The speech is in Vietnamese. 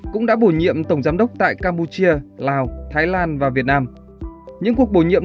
cũng đã bổ nhiệm tổng giám đốc tại campuchia lào thái lan và việt nam những cuộc bổ nhiệm